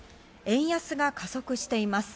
円安が加速しています。